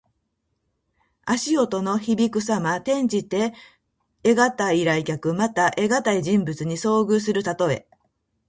足音のひびくさま。転じて、得難い来客。また、得難い人物に遭遇するたとえ。